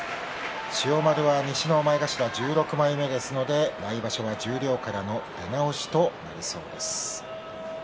千代丸は西の前頭１６枚目ですので十両からの出直しとなりそうです。